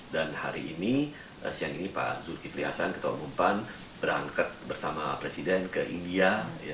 dan hari ini siang ini pak zulkifli hasan ketua umum pan berangkat bersama presiden ke india